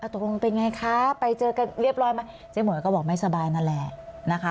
ตกลงเป็นไงคะไปเจอกันเรียบร้อยไหมเจ๊หมวยก็บอกไม่สบายนั่นแหละนะคะ